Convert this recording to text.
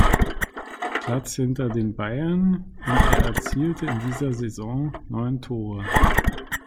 Platz hinter den Bayern und er erzielte in dieser Saison neun Tore.